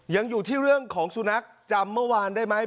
ยังอยู่ที่เรื่องของสุนัขจำเมื่อวานได้ไหม